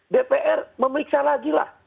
dpr memeriksa lagi lah